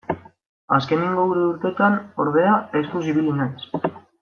Azkenengo hiru urtetan, ordea, eskuz ibili naiz.